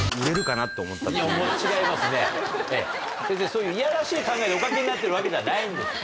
そういういやらしい考えでお書きになってるわけじゃないんです。